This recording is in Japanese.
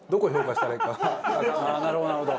ああなるほどなるほど。